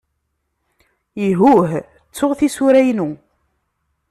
Ihuh, ttuɣ tisura-inu.